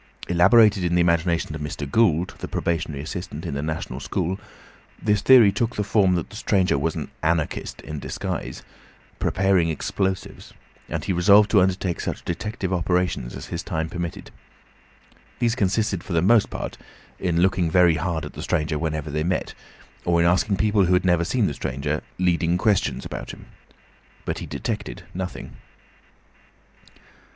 Elaborated in the imagination of Mr. Gould, the probationary assistant in the National School, this theory took the form that the stranger was an Anarchist in disguise, preparing explosives, and he resolved to undertake such detective operations as his time permitted. These consisted for the most part in looking very hard at the stranger whenever they met, or in asking people who had never seen the stranger, leading questions about him. But he detected nothing.